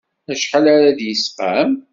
Acḥal ara d-yesqam?